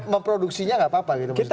memproduksinya nggak apa apa gitu maksudnya